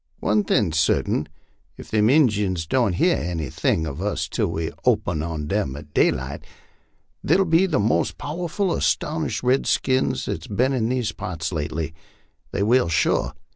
One thing's certain, ef them Injuns doesn't bar anything uv us till we open on 'em at day light, they'll be the most powerful 'stonished redskins that's been in these parts lately they will, sure.